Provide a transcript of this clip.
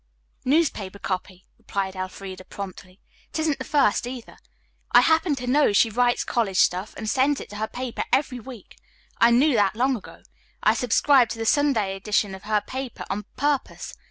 "Newspaper copy," replied Elfreda promptly. "It isn't the first, either. I happen to know she writes college stuff and sends it to her paper every week. I knew that long ago. I subscribed to the Sunday edition of her paper on purpose.